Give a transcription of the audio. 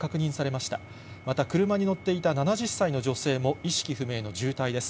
また車に乗っていた７０歳の女性も、意識不明の重体です。